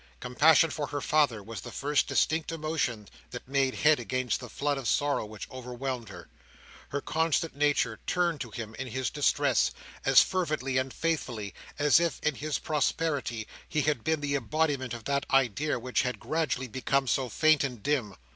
Compassion for her father was the first distinct emotion that made head against the flood of sorrow which overwhelmed her. Her constant nature turned to him in his distress, as fervently and faithfully, as if, in his prosperity, he had been the embodiment of that idea which had gradually become so faint and dim.